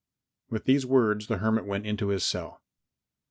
With these words the hermit went into his cell.